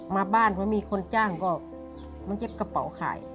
มาบ้านพอมีคนจ้างก็มาเย็บกระเป๋าขาย